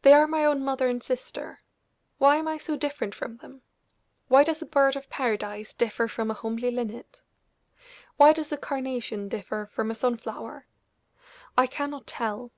They are my own mother and sister why am I so different from them? Why does a bird of paradise differ from a homely linnet? Why does a carnation differ from a sun flower? I cannot tell."